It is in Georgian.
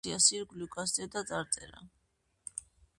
ეკლესიას ირგვლივ გასდევდა წარწერა.